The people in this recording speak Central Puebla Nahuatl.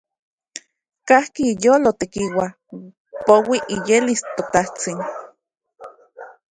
Kajki iyolo tekiua, poui iyelis ToTajtsin.